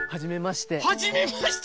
はじめまして。